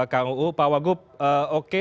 kuu pak wagup oke